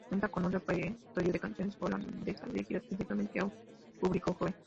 Cuenta con un repertorio de canciones holandesas dirigidas principalmente a un público joven.